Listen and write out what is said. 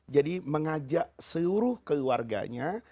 jadi mengajak seluruh keluarganya